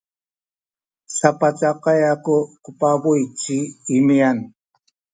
sapacakay aku ku pabuy ci Imian.